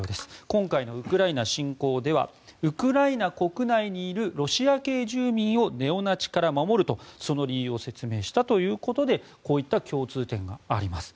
今回のウクライナ侵攻ではウクライナ国内にいるロシア系住民をネオナチから守るとその理由を説明したということでこういった共通点があります。